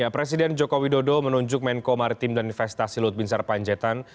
presiden joko widodo menunjuk menko maritim dan investasi luhut bin sar panjaitan